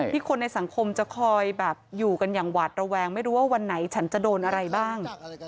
คนในสังคมจะคอยแบบอยู่กันอย่างหวาดระแวงไม่รู้ว่าวันไหนฉันจะโดนอะไรบ้าง